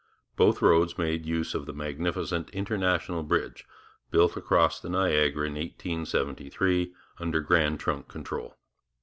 Both roads made use of the magnificent International Bridge, built across the Niagara in 1873, under Grand Trunk control.